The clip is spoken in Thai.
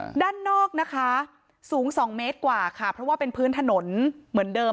ด้านนอกนะคะสูงสองเมตรกว่าค่ะเพราะว่าเป็นพื้นถนนเหมือนเดิม